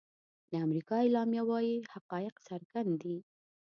د امریکا اعلامیه وايي حقایق څرګند دي.